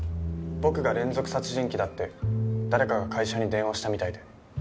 僕が連続殺人鬼だって誰かが会社に電話したみたいで。